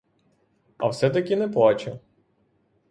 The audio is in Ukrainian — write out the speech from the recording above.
А все-таки не плаче!